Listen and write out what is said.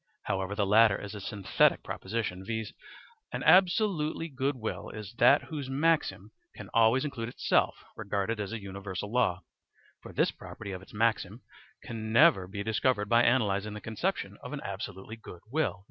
However, the latter is a synthetic proposition; viz., an absolutely good will is that whose maxim can always include itself regarded as a universal law; for this property of its maxim can never be discovered by analysing the conception of an absolutely good will.